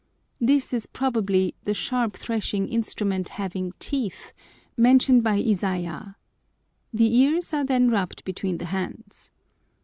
This is probably "the sharp threshing instrument having teeth" mentioned by Isaiah. The ears are then rubbed between the hands.